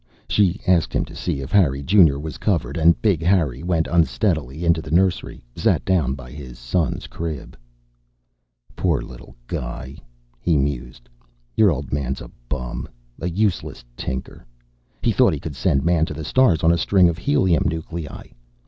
She asked him to see if Harry Junior was covered, and Big Harry went unsteadily into the nursery, sat down by his son's crib. "Poor little guy," he mused. "Your old man's a bum, a useless tinker. He thought he could send Man to the stars on a string of helium nuclei.